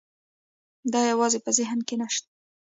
دا یوازې په ذهن کې نه شته.